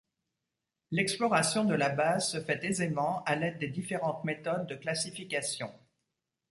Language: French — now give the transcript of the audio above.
L'exploration de la base se fait aisément à l'aide des différentes méthodes de classification.